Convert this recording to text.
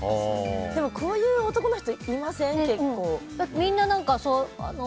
でも、こういう男の人いません？